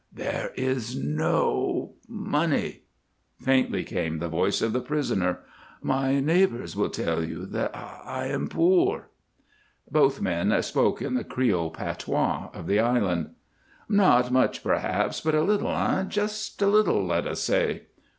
"There is no money," faintly came the voice of the prisoner. "My neighbors will tell you that I am poor." Both men spoke in the creole patois of the island. "Not much, perhaps, but a little, eh? Just a little, let us say."